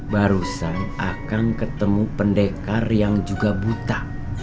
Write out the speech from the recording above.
barusan akan ketemu pendekar yang juga buta